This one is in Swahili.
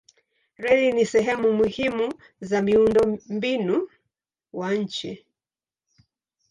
Reli ni sehemu muhimu za miundombinu wa nchi.